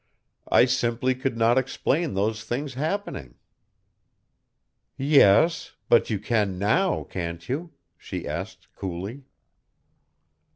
I simply could not explain those things happening." "Yes, but you can now, can't you?" she asked coolly.